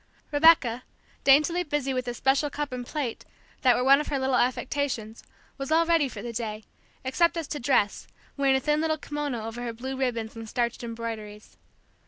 Rebecca, daintily busy with the special cup and plate that were one of her little affectations, was all ready for the day, except as to dress, wearing a thin little kimono over her blue ribbons and starched embroideries.